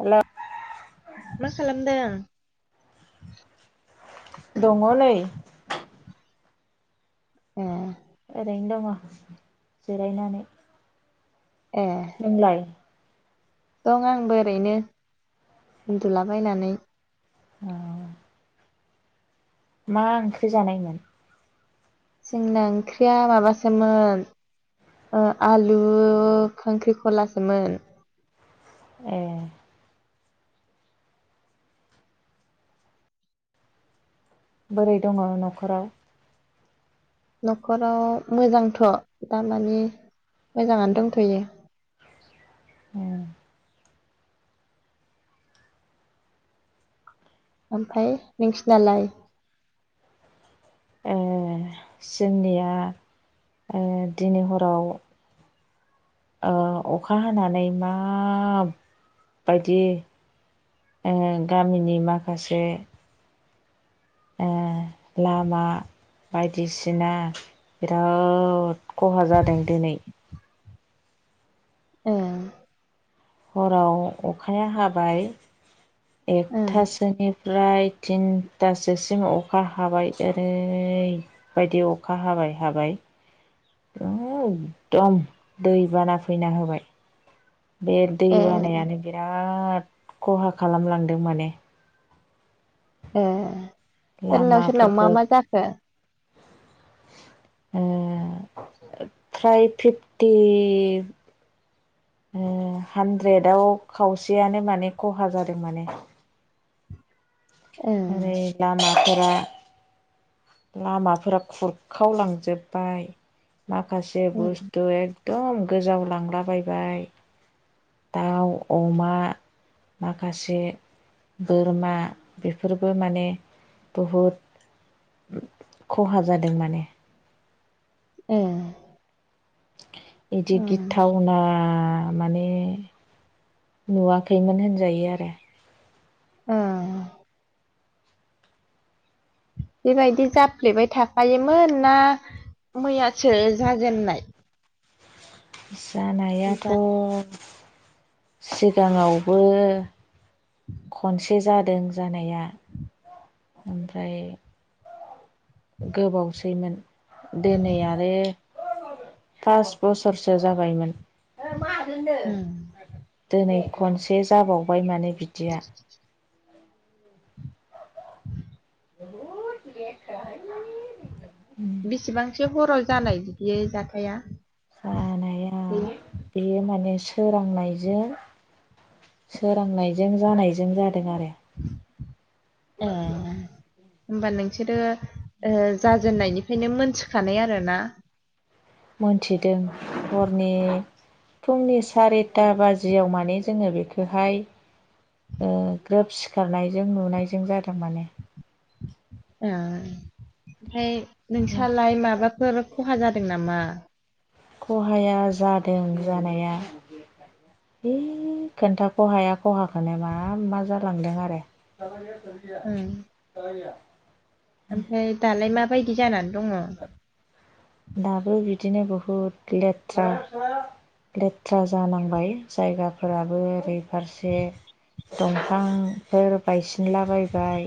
Hello मा खालामदों दङ लै ए ओरैनो दङ जिरायनानै ए नोंलाय दं आंबो ओरैनो उन्दुलाबायनानै अ मा ओंख्रि जानायमोन? जोंना ओंख्रिया माबासोमोन ओ आलु खांख्रिखलासोमोन ए बोरै दङ न'खराव? न'खराव मोजांथ' दामानि मोजाङानो उम दंथ'यो [inaudible] ओमफाय नोंसिनालाय ओ जोंनिया ओ दिनै हराव ओ अखा हानानै माबायदि ओ गामिनि माखासे ओ लामा बायदिसिना बिराद खहा जादों दिनै ए हराव अखाया हाबाय ओं एकथासोनि फ्राय थिनथासोसिम अखा हाबाय ओरैबायदि अखा हा बाय हाबाय एकदम दै बाना फैना होबाय बे दै ए बानायानो बिराद खहा खालामलांदों माने ए सोरनाव सोरनाव लामाफोरखौ मा-मा जाखो ओ फ्राय फिफटि ओ हानद्रेदाव खावसेयानो माने खहा जादों माने ओं ओरै लामाफोरा लामाफोरा खुरखावलांजोब्बाय माखासे ओं बुस्थु एक दम गोजाव लांलाबायबाय दाउ अमा माखासे बोरमा बेफोरबो माने बुहुद खहा जादों माने ए बिदि गिथावना माने नुवाखैमोन होनजायो आरो औ बेबायदि जाफ्लेबाय थाखायोमोन ना मैयासो जाजेननाय दा जानायाथ' सिगाङावबो खनसे जादों जानाया ओमफ्राय गोबावसैमोन दोनै आरो पास बसरसो जाबायमोन उम, [unintelligible] दोनै खनसे जाबावबाय माने बिदिया बिसेबांसो हराव जानाय बिदि जाथाया जानाया उम बेयो माने सोरांनायजों सोरांनायजों जानायजों जादों आरो ए [unintelligible] होमबा नोंसोरो ओ जाजेननायनिफ्रायनो मोनथिखानाय आरो ना? मोनथिदों हरनि फुंनि सारिता बाजियाव माने जोङो बेखोहाय ओ ग्रोब सिखारनायजों नुनायजों जादों माने ओ ओमफाय नोंसालाय माबाफोर खहा जादों नामा खहाया जादों जानाया है खोन्थाख'हाया खहाखोनो मा मा जालांदों आरो उम, [unintelligible] ओमफ्राय दालाय माबायदि जानानै दङ दाबो बिदिनो बहुद लेथ्रा लेथ्रा जालांबाय जायगाफोराबो ओरै फारसे दंफांफोर बायसिनलाबायबाय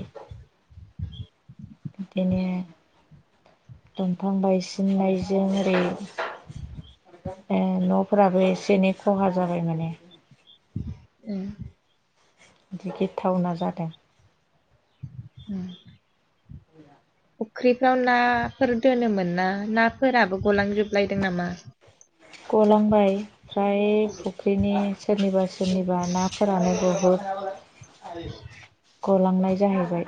बिदिनो दंफां बायसिननायजों ओरै ए न'फोराबो एसे एनै खहा जाबाय माने उम इदि गिथावना जादों उम [unintelligible] फुख्रिफ्राव नाफोर दोनोमोन ना नाफोराबो गलांजोबलायदों नामा गलांबाय फ्राय फुख्रिनि सोरनिबा सोरनिबा नाफोरानो बहद गलांनाय जाहैबाय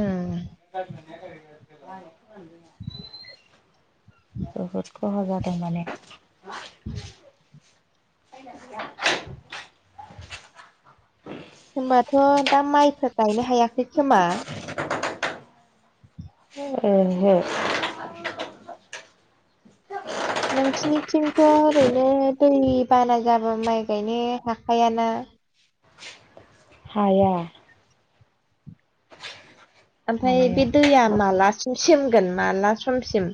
उम, बहुत खहा जादों माने [inaudible] [inaudible] होमबाथ' दा माइफोर गायनो हायाखै खोमा ओहो नोंसिनिथिंथ' ओरैनो दै बाना जाबा माइ गायनो हाखायाना हाया ओमफ्राय बे हानाया दैया मालासिम सेमगोन माला समसिम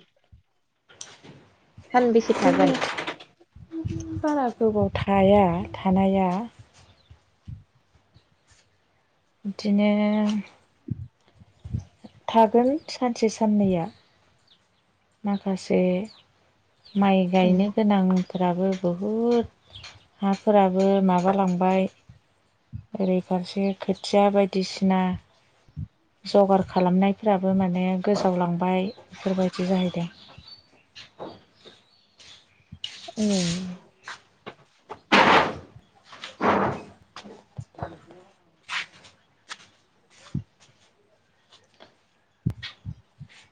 सानबेसे थागोन? [unintelligible] बारा गोबाव थाया थानाया बिदिनो थागोन सानसे साननैया माखासे माइ उम गायनो गोनां फोराबो बहुद हाफोराबो माबालांबाय ओरै फारसे खोथिया बायदिसिना जगार खालामनायफ्राबो माने गोजावलांबाय बेफोरबाय दि जाहैदों उम्म । [inaudible]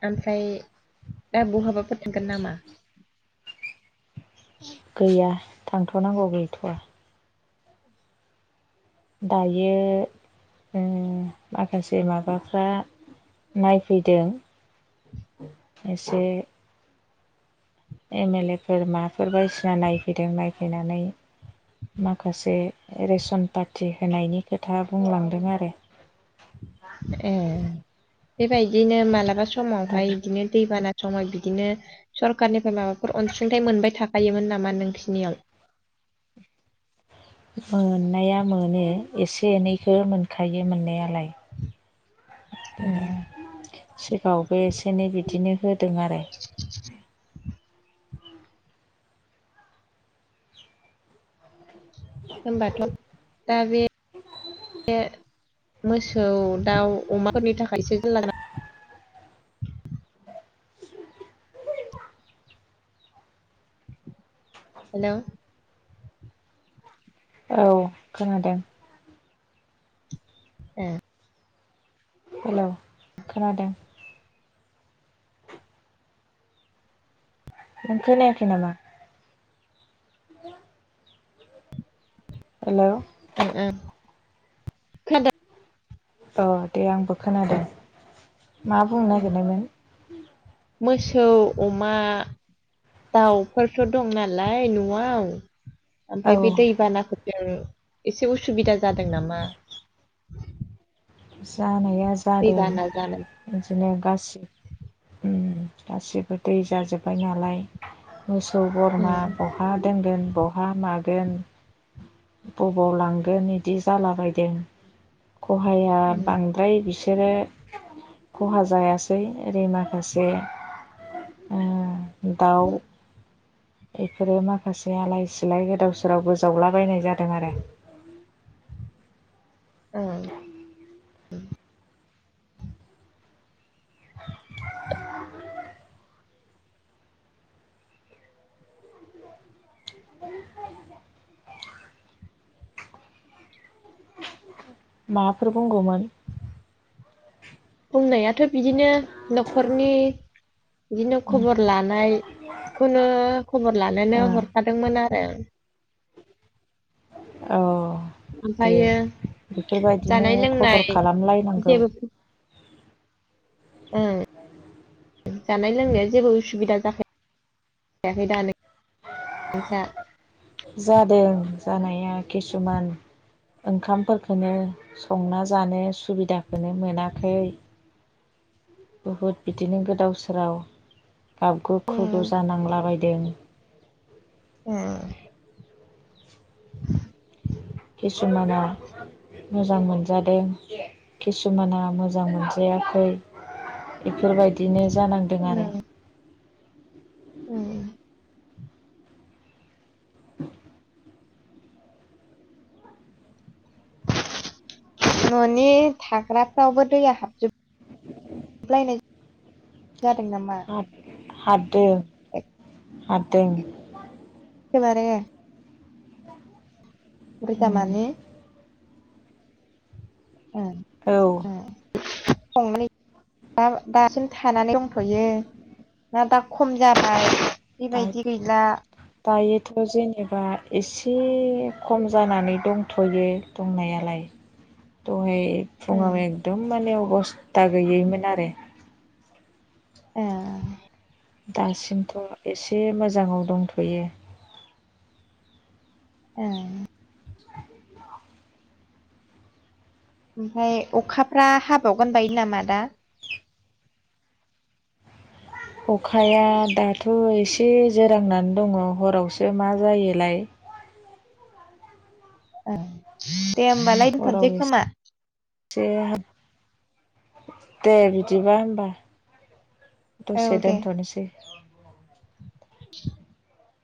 ओमफ्राय दा बहाबाफोर थांगोन नामा गैया थांथनांगौ गैथया दायो ओ माखासे माबाफ्रा । नायफैदों एसे । एम एल ए फोर माफोर बायदिसिना नायफैदों नायफैनानै । माखासे रेसन पारटि होनायनि खोथा बुंलांदों आरो ए बेबायदिनो मालाबा दा समावहाय बिदिनो दैबाना । समाय बिदिनो सरखारनिफाय माबाफोर अनसुंथाइ मोनबाय थाखायोमोन नामा नोंसिनियाव [inaudible] मोननाया मोनो एसे एनैखो मोनखायो मोननायालाय । ए बिदिनो सिगाङावबो एसे एनै बिदिनो । दों आरो । होमबाथ दा बे । बे मोसौ दाउ अमाफोरनि थाखायसो जाला नामा [inaudible] हेलौ औ खोनादों । ए । हेलौ खोनादों । नों खोनायाखै नामा? [inaudible] हेलौ ओ ओ खोनादों । औ दे आंबो खोनादों मा बुंनो नागिरनायमोन । मोसौ अमा दाउफोरथ दं नालाय नआव । औ ओमफाय बे दै बानाखौ । जों एसे उसुबिदा जादों नामा? जानाया जादों दैबाना जानाय बिदिनो गासि ओ गासिबो दै जाजोब्बाय नालाय । मोसौ बोरमा उम बहा दोनगोन बहा मा बेन गबलांगोन इदि जालाबायदों खहाय आं उम बांद्राय बिस सोरो खहा जायासै ओरै माखासे ओ [inaudible] दाउ बेफोरो माखासे आलाय सिलाय गोदाव सोरावबो गोजावलाबायनाय जादों आरो [inaudible] औ माबाफोर बुंगौमोन बुंनायाथ बिदिनो नखरनि बिदिनो खबर लानाय । बेखौनो खबर लानोनो ओ हरखादोंमोन आरो । औ दे ओमफ्रायो बेफोरबायदिनो जानाय लोंनाय खबर खालामलायनांगौ । जेबो [inaudible] ओं जानाय लोंनाया जेबो उसुबिदा जायाखै [unintelligible] जादों जानाया किसुमान ओंखामफोरखोनो संना जानो सुबिदाखोनो मोनाखै बुहुद बिदिनो गोदाव सोराव गाबगु खुगु उम जानांलाबायदों ओम किसुमाना मोजां मोनजादों खिसुमाना मोजां मोनजायाखै बेफोरबायदिनो जानांदों आरो ओम ननि थाग्रा फोरावबो दैया हाबजोब लायनाय जादों नामा हाबदों हाबदों [unintelligible] उम बुरजामानि ओ औ ओ [unintelligible] दा दासिम थानानै दंथयो ना दा खम जाबाय बेबायदि गैला थ जेनेबा एसे खम जानानै दंथयो दंनायालाय दहाय ओं फुङाव एकदम माने अबस्था गैयैमोन आरो ए दासिमथ एसे मोजाङाव दंथयो ओ ओमफाय अखाफ्रा हाबावगोन बायदि नामा दा अखाया दाथ एसे जोरांनानै दङ हरावसो मा जायोलाय ओ दे होमबालाय दोनथसै खोमा दे दे बिदिबा होमबा दसे औ दे दोनथनोसै [inaudible]